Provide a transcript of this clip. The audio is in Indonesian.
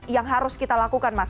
yang harus kita lakukan mas